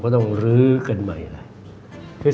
อ๋อก็ต้องลื้อกันใหม่เลย